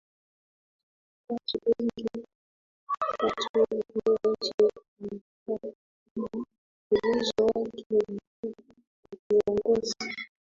Watu wengi wa nje wanafahamu uwezo wake mkubwa wa kiuongozi